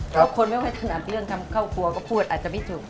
แล้วคนไม่ค่อยถนัดเรื่องข้าวครัวก็พูดอาจจะไม่ถูก